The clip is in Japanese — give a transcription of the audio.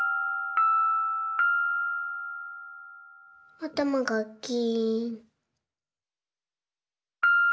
あたまがキーン。